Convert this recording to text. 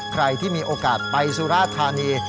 ใครที่มีโอกาสไปสุราธานี